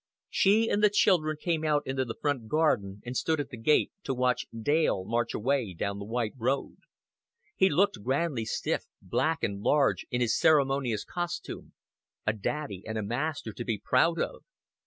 She and the children came out into the front garden and stood at the gate to watch Dale march away down the white road. He looked grandly stiff, black and large, in his ceremonious costume a daddy and a master to be proud of.